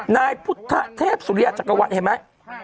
นายพุทธเทพสุริยจักรวรรณเห็นไหม